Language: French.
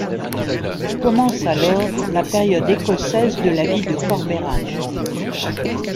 Commence alors la période Écossaise de la vie de Corbeyran.